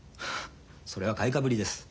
それは買いかぶりです。